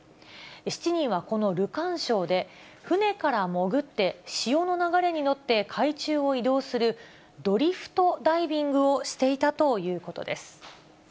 ７人はこのルカン礁で、船から潜って潮の流れに乗って海中を移動する、ドリフトダイビングをしていたということです。